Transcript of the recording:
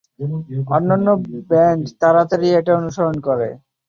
অন্যান্য ব্যান্ড তাড়াতাড়ি এটা অনুসরণ করে।